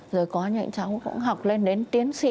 rồi có những cháu cũng học lên đến tiến sĩ